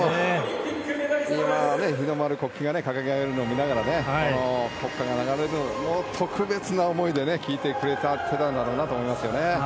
今、日の丸、国旗が掲げられるのを見ながら国歌が流れるのを特別な思いで聴いてくれていたんだろうなと思いますよね。